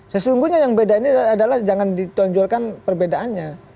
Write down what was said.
sesungguhnya yang beda ini adalah jangan ditonjolkan perbedaannya